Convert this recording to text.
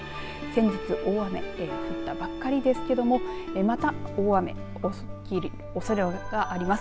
先日、大雨降ったばかりですけどもまた大雨起きるおそれがあります。